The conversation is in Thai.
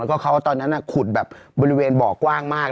แล้วก็เขาตอนนั้นขุดแบบบริเวณบ่อกว้างมาก